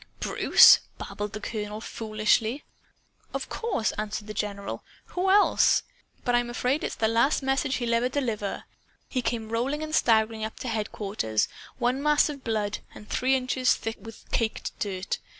"Bruce?" babbled the colonel foolishly. "Of course," answered the general. "Who else? But I'm afraid it's the last message he'll ever deliver. He came rolling and staggering up to headquarters one mass of blood, and three inches thick with caked dirt.